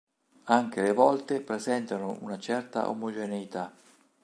Anche le volte presentano una certa omogeneità.